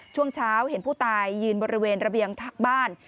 ช่วงเช้าเห็นผู้ตายยืนบริเวณระเบียงทักบ้าน